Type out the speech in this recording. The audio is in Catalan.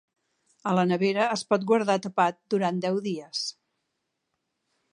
A la nevera es pot guardar tapat durant deu dies.